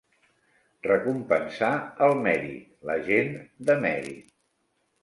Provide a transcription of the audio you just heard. Recompensar el mèrit, la gent de mèrit.